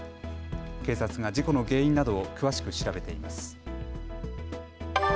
警察が事故の原因などを詳しく調べています。